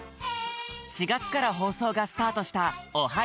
４がつから放送がスタートした「オハ！